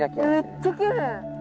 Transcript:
めっちゃきれい！